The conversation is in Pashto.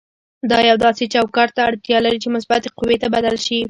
دا یو داسې چوکاټ ته اړتیا لري چې مثبتې قوې ته بدل شي.